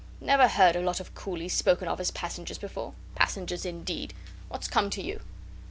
Never heard a lot of coolies spoken of as passengers before. Passengers, indeed! What's come to you?"